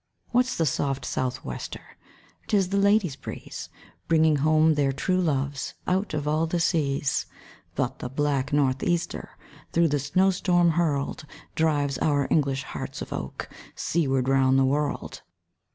What's the soft South wester? 'Tis the ladies' breeze, Bringing home their true loves Out of all the seas: But the black North easter, Through the snowstorm hurled, Drives our English hearts of oak Seaward round the world.